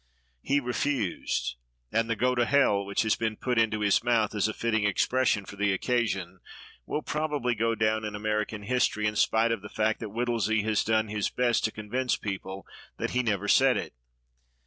He refused, and the "Go to Hell" which has been put into his mouth as a fitting expression for the occasion will probably go down in American history in spite of the fact that Whittlesey has done his best to convince people that he never said it.